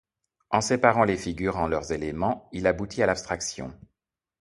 En séparant les figures en leurs éléments il aboutit à l'abstraction.